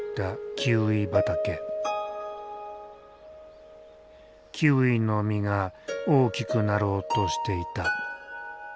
キウイの実が大きくなろうとしていた。